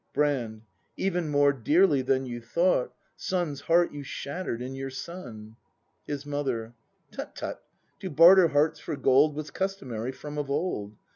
Brand. Even more dearly than you thought; Son's heart you shattered in your son. His Mother. Tut, tut. To barter hearts for gold Was customary from of old.